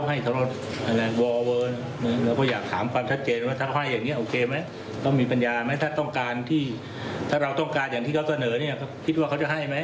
หรือว่าพยานยืนยันว่าถ้าขอแค่นี้ก็ให้